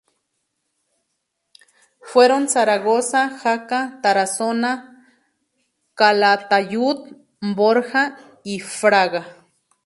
Fueron Zaragoza, Jaca, Tarazona, Calatayud, Borja y Fraga.